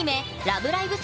「ラブライブ！